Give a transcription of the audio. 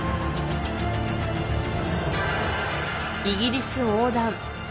イギリス横断